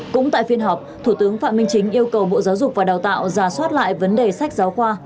cũng tại phiên họp thủ tướng phạm minh chính yêu cầu bộ giáo dục và đào tạo ra soát lại vấn đề sách giáo khoa